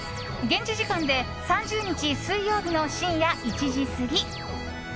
現地時間で３０日、水曜日の深夜１時過ぎ。